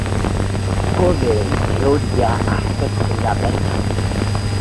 Kodeen teoria aztertzen da bertan.